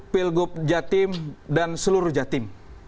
pilgub jatim dan seluruh jatim